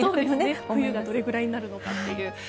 冬がいつぐらいになるのかという。